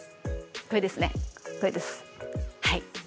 これですねこれですはい。